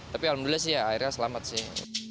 tapi alhamdulillah sih ya akhirnya selamat sih